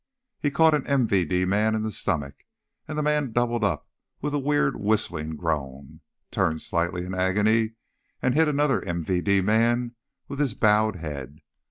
He caught an MVD man in the stomach, and the man doubled up with a weird whistling groan, turned slightly in agony, and hit another MVD man with his bowed head.